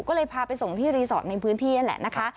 ก็เลยพาไปส่งที่รีสอร์ทในพื้นที่นั่นแหละนะคะ